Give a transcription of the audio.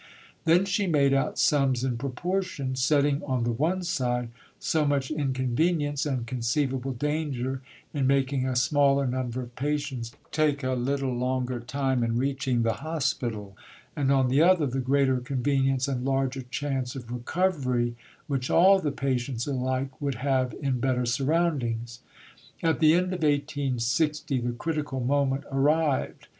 Then she made out sums in proportion, setting, on the one side, so much inconvenience and conceivable danger in making a smaller number of patients take a little longer time in reaching the Hospital; and, on the other, the greater convenience and larger chance of recovery which all the patients alike would have in better surroundings. At the end of 1860 the critical moment arrived.